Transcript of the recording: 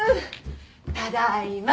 ただいま。